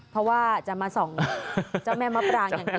เพราะว่าจะมาส่องเจ้าแม่มะปรางอย่างนี้